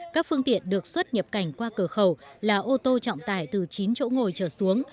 các phương tiện được xuất nhập cảnh qua cửa khẩu là ô tô trọng tải từ chín chỗ ngồi trở xuống